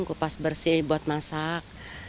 kupas bersih buat masak